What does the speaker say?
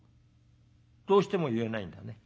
どうしても言えないんだね？